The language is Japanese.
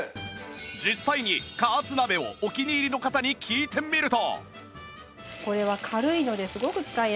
実際に加圧鍋をお気に入りの方に聞いてみると